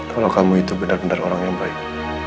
kalau kamu itu benar benar orang yang baik